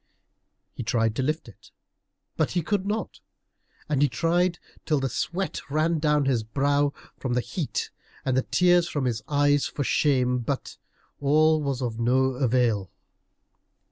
He tried to lift it, but he could not. And he tried till the sweat ran down his brow from the heat, and the tears from his eyes for shame, but all was of no avail.